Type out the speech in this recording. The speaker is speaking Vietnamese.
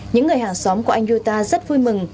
những người hàng xóm của anh yuta rất vui mừng